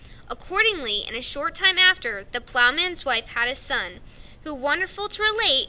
Accordingly, in a short time after, the Ploughman's wife had a son, who, wonderful to relate!